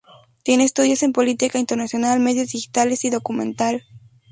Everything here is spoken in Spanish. Tiene estudios en política internacional, medios digitales y documental.